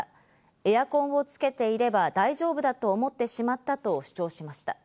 エアコンをつけていれば大丈夫だと思ってしまったと主張しました。